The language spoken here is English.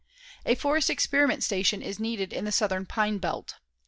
A forest experiment station is needed in the southern pine belt.